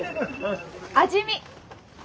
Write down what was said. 味見！